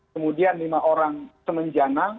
kemudian lima orang semenjana